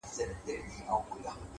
مثبت انسان ستونزې د ودې وسیله ګڼي،